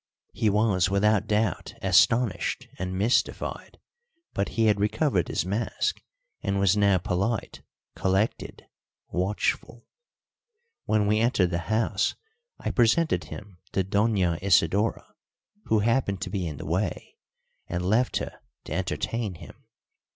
He was without doubt astonished and mystified, but he had recovered his mask, and was now polite, collected, watchful. When we entered the house I presented him to Doña Isidora, who happened to be in the way, and left her to entertain him.